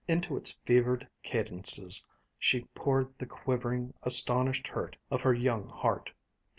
Into its fevered cadences she poured the quivering, astonished hurt of her young heart.